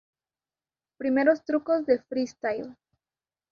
Primeros trucos del freestyle.